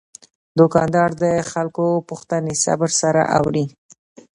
دوکاندار د خلکو پوښتنې صبر سره اوري.